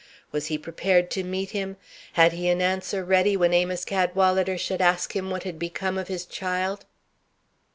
Was he prepared to meet him? Had he an answer ready when Amos Cadwalader should ask him what had become of his child?